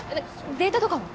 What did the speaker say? データとかは？